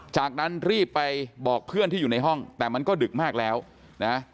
จากนั้นรีบไปบอกเพื่อนที่อยู่ในห้องแต่มันก็ดึกมากแล้วนะ